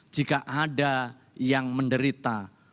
tidak ada yang menderita